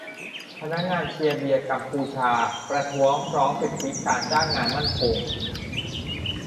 พนักงานเชียร์เบียร์กัมพูชาประท้วงร้องสิทธิการจ้างงานมั่นคง